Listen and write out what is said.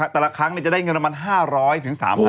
แต่ละครั้งจะได้เงินประมาณ๕๐๐๓๐๐